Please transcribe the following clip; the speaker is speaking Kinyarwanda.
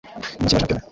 mu mukino wa shampiyona